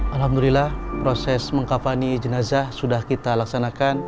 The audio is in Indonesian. alhamdulillah proses mengkafani jenazah sudah kita laksanakan